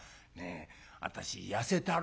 私痩せたろ？」。